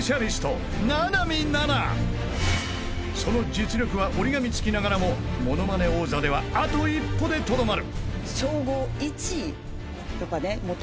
［その実力は折り紙付きながらも『ものまね王座』ではあと一歩でとどまる］